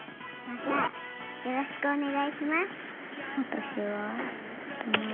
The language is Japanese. マサよろしくお願いします。